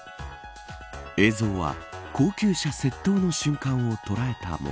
映像は、高級車窃盗の瞬間を捉えたもの。